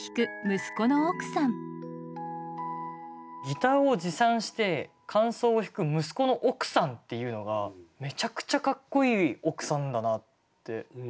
ギターを持参して間奏を弾く息子の奥さんっていうのがめちゃくちゃかっこいい奥さんだなって。